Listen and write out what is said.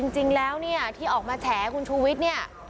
จริงแล้วเนี่ยที่ออกมาแฉคุณชูวิทย์เนี่ย